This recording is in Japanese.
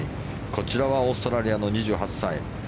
こちらはオーストラリアの２８歳。